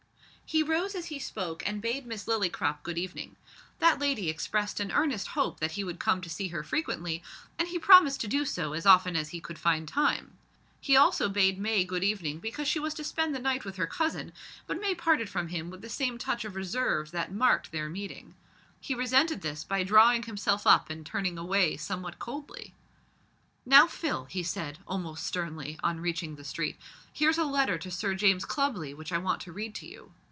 He rose as he spoke and bade Miss Lillycrop good evening. That lady expressed an earnest hope that he would come to see her frequently, and he promised to do so as often as he could find time. He also bade May good evening because she was to spend the night with her cousin, but May parted from him with the same touch of reserve that marked their meeting. He resented this by drawing himself up and turning away somewhat coldly. "Now, Phil," he said, almost sternly, on reaching the street, "here's a letter to Sir James Clubley which I want to read to you.